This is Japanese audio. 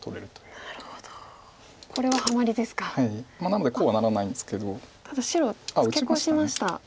なのでこうはならないんですけど。ただ白ツケコシました。